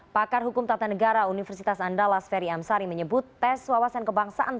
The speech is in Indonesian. pakar hukum tata negara universitas andalas ferry amsari menyebut tes wawasan kebangsaan